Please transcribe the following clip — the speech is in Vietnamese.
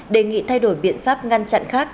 đề nghị thay đổi biện pháp ngăn chặn khác